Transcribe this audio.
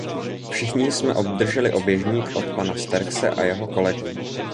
Všichni jsme obdrželi oběžník od pana Sterckxe a jeho kolegů.